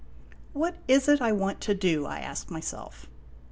"What is it I want to do?" I asked myself.